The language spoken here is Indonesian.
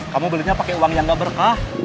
kamu belinya pakai uang yang gak berkah